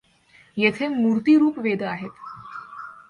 येथे मूर्तिरूप वेद आहेत.